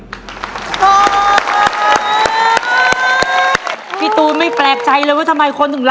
แล้ววันนี้ผมมีสิ่งหนึ่งนะครับเป็นตัวแทนกำลังใจจากผมเล็กน้อยครับ